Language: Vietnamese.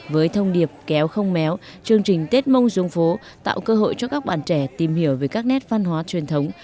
với thông điệp kéo không méo chương trình tết mông xuống phố tạo cơ hội cho các bạn trẻ tìm hiểu về các nét văn hóa truyền thống